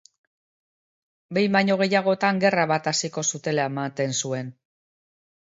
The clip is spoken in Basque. Behin baino gehiagotan, gerra bat hasiko zutela ematen zuen.